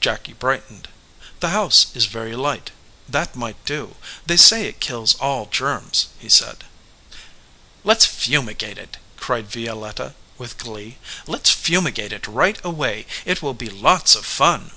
Jacky brightened. "The house is very tight. That might do. They say it kills all germs," he said. "Let s fumigate it," cried Violetta, with glee. "Let s fumigate it right away. It will be lots of fun."